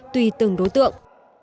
tùy từng đối tượng